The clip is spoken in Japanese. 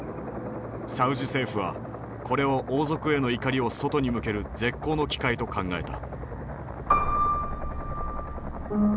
サウジ政府はこれを王族への怒りを外に向ける絶好の機会と考えた。